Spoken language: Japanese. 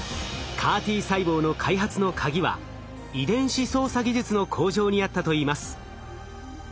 ＣＡＲ−Ｔ細胞の開発のカギは遺伝子操作技術の向上にあったといいます。